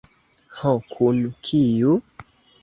Ho, kun kiu?